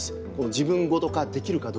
自分ごと化できるかどうか。